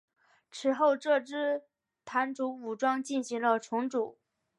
此后这支掸族武装进行了重组。